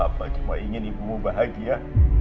apa cuma ingin ibumu bahagia